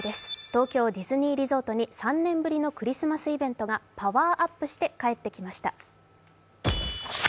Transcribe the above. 東京ディズニーリゾートに３年ぶりのクリスマスイベントがパワーアップして帰ってきました。